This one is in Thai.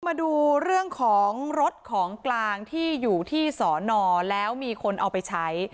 มาดูเรื่องของรถของกลางที่อยู่ที่สอนอแล้วมีคนเอาไปใช้